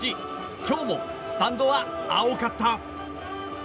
今日もスタンドは、青かった。